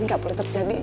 ini gak boleh terjadi